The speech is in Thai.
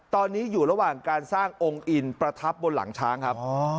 ตอนนี้อยู่ระหว่างการสร้างองค์อินประทับบนหลังช้างครับ